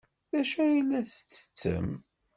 D acu ay la tettettem?